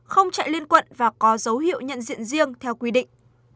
không chạy liên quận và có dấu hiệu nhận diện riêng theo quy định